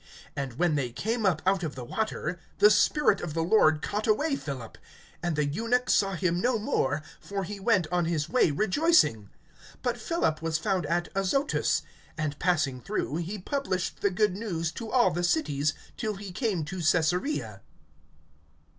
(39)And when they came up out of the water, the Spirit of the Lord caught away Philip; and the eunuch saw him no more, for he went on his way rejoicing. (40)But Philip was found at Azotus; and passing through, he published the good news to all the cities, till he came to Caesarea.